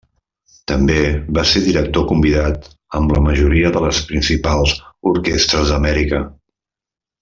També va ser director convidat amb la majoria de les principals orquestres d'Amèrica.